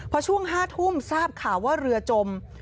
พอช่วง๕ทุ่มทราบข่าวว่าเรือจม